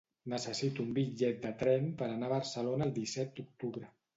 Necessito un bitllet de tren per anar a Barcelona el disset d'octubre.